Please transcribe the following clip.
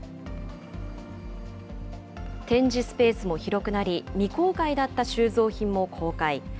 展示スペースも広くなり、未公開だった収蔵品も公開。